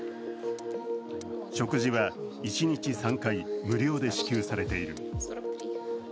食事は一日３回無料で支給されている。